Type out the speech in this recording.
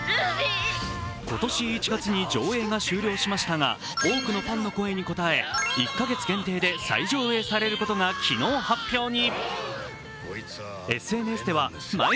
今年１月に上映が終了しましたが、多くのファンの声に応え１か月限定で再上映されることが昨日発表に。